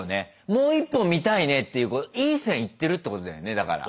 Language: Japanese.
もう１本見たいねっていういい線行ってるってことだよねだから。